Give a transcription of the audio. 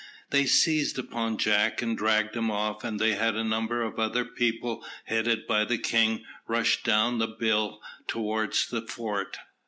They seized upon Jack and dragged him off, and they and a number of other people, headed by the king, rushed down the bill towards the fort.